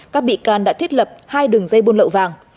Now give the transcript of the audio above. các bị can đã thiết lập hai đường dây buôn lậu vàng